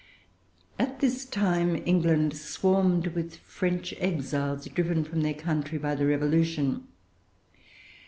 At this time England swarmed with French exiles, driven from their country by the Revolution.